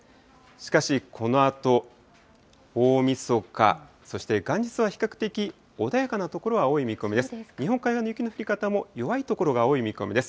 しかし、このあと、大みそか、そして元日は比較的、穏やかな所は多い見込みです。